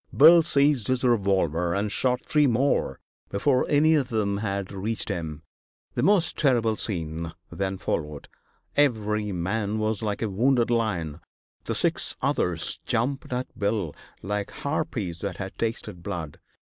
Bill seized his revolver and shot three more before any of them had reached him. The most terrible scene then followed. Every man was like a wounded lion; the six others jumped at Bill like harpies that had tasted blood.